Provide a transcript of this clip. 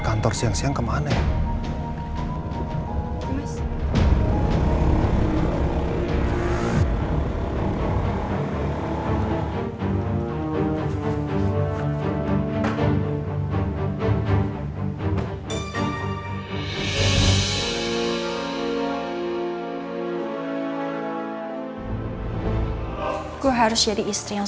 kamu akan selalu ada di hati mama